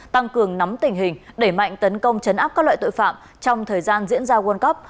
tăng cường nắm tình hình đẩy mạnh tấn công chấn áp các loại tội phạm trong thời gian diễn ra world cup